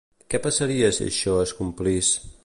Què passaria si això es complís?